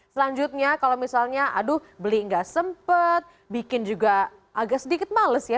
selanjutnya kalau misalnya aduh beli nggak sempet bikin juga agak sedikit males ya